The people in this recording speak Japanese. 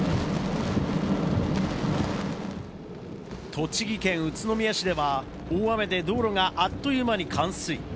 栃木県宇都宮市では大雨で道路があっという間に冠水。